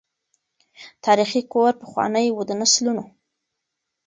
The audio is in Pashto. تاریخي کور پخوانی وو د نسلونو